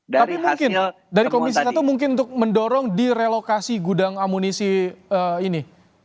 tapi mungkin dari komisi satu mungkin untuk mendorong direlokasi gudang amunisi ini